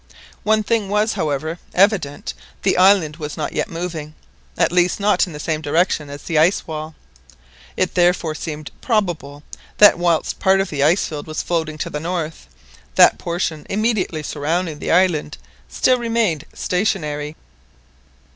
One thing was, however, evident, the island was not yet moving, at least not in the same direction as the ice wall. It therefore seemed probable that whilst part of the ice field was floating to the north, that portion immediately surrounding the island still remained stationary.